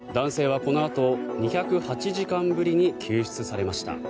男性はこのあと２０８時間ぶりに救出されました。